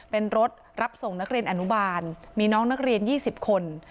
เป็นรถรับส่งนักเรียนอนุบาลมีน้องนักเรียน๒๐คน